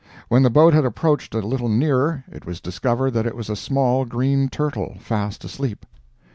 When the boat had approached a little nearer, it was discovered that it was a small green turtle, fast asleep.